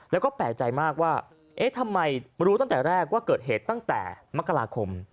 แล้วก็แปลกใจมากว่าเอ๊ะทำไมรู้ตั้งแต่แรกว่าเกิดเหตุตั้งแต่มกราคม